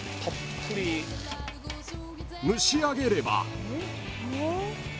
［蒸し上げれば］